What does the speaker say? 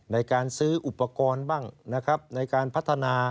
ในการซื้ออุปกรณ์บ้างนะครับในการพัฒนา